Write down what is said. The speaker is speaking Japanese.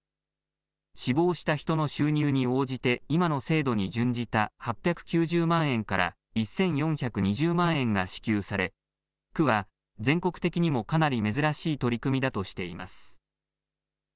死亡した人の収入に応じて今の制度に準じた８９０万円から１４２０万円が支給され区は全国的にもかなり珍しい取り組みだとしています。